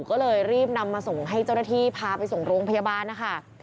ก็เลยรีบนำมาส่งให้เจ้าหน้าที่พาไปส่งโรงพยาบาลนะคะ